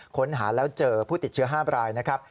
ค้นหาแล้วเจอผู้ติดเชื้อ๕รายนะครับ